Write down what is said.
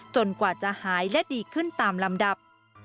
กว่าจะหายและดีขึ้นตามลำดับ